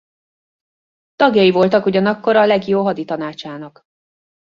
Tagjai voltak ugyanakkor a legio haditanácsának.